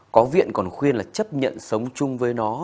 có viện còn khuyên là chấp nhận sống chung với nó